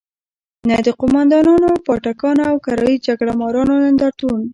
نه د قوماندانانو، پاټکیانو او کرايي جګړه مارانو نندارتون.